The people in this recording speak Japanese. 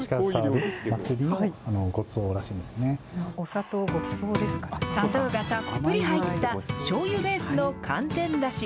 砂糖がたっぷり入った、しょうゆベースの寒天だし。